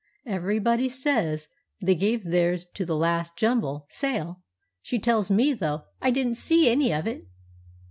Everybody says they gave theirs to the last jumble sale, she tells me, though I didn't see any of it!